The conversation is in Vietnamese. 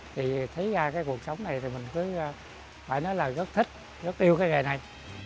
thì thấy ra cái cuộc sống này thì mình cứ phải nói là rất thích rất yêu cái nghề này